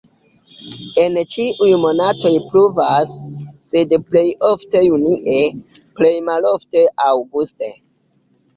En ĉiuj monatoj pluvas, sed plej ofte junie, plej malofte aŭguste.